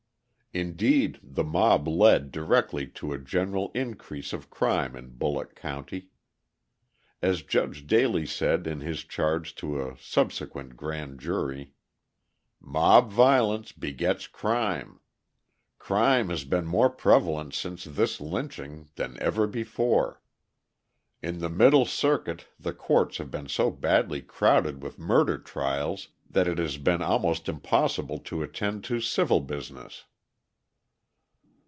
Indeed, the mob led directly to a general increase of crime in Bulloch County. As Judge Daley said in his charge to a subsequent grand jury: "Mob violence begets crime. Crime has been more prevalent since this lynching than ever before. In the middle circuit the courts have been so badly crowded with murder trials that it has been almost impossible to attend to civil business."